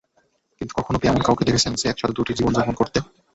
কিন্তু কখনো কি এমন কাউকে দেখেছেন যে একসাথে দুটি জীবন, যাপন করতে?